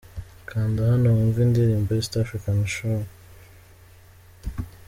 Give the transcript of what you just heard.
Kanda hano wumve indirimbo East African Show.